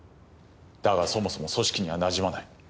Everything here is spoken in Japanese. だがそもそも組織には馴染まない。